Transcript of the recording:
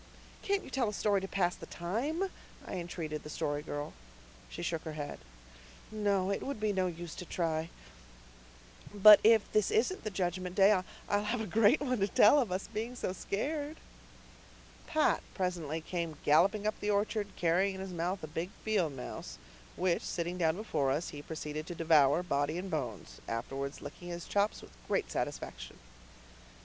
"Can't you tell us a story to pass the time?" I entreated the Story Girl. She shook her head. "No, it would be no use to try. But if this isn't the Judgment Day I'll have a great one to tell of us being so scared." Pat presently came galloping up the orchard, carrying in his mouth a big field mouse, which, sitting down before us, he proceeded to devour, body and bones, afterwards licking his chops with great satisfaction.